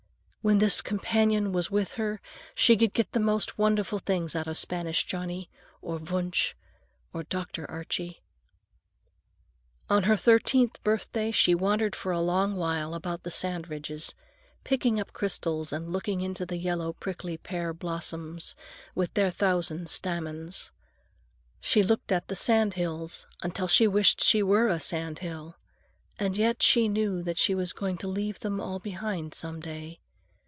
When this companion was with her, she could get the most wonderful things out of Spanish Johnny, or Wunsch, or Dr. Archie. On her thirteenth birthday she wandered for a long while about the sand ridges, picking up crystals and looking into the yellow prickly pear blossoms with their thousand stamens. She looked at the sand hills until she wished she were a sand hill. And yet she knew that she was going to leave them all behind some day.